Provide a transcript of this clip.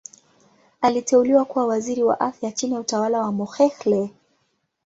Aliteuliwa kuwa Waziri wa Afya chini ya utawala wa Mokhehle.